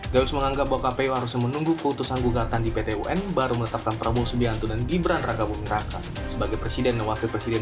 gayus menganggap bahwa kpu harus menunggu kutusan kukatan di pt un baru meletakkan prabowo sudianto dan gibran raka buming raka sebagai presiden dan wakil presiden dua ribu dua puluh empat